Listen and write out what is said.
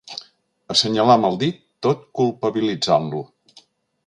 Assenyalar amb el dit tot culpabilitzant-lo.